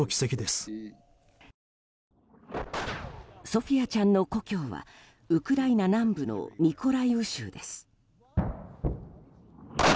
ソフィヤちゃんの故郷はウクライナ南部のミコライウ州です。